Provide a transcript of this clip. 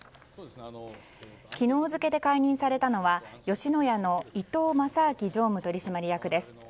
昨日付で解任されたのは吉野家の伊東正明常務取締役です。